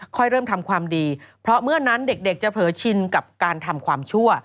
เริ่มทำความดีเพราะเมื่อนั้นเด็กจะเผลอชินกับการทำความชั่ว